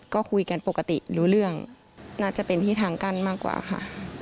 ก็คุยกันปกติรู้เรื่องน่าจะเป็นที่ทางกั้นมากกว่าค่ะ